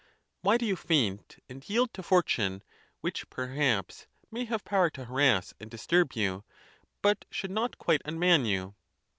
Why do you faint, and yield to fortune, which, perhaps, may have power to harass and disturb you, but should not quite unman you?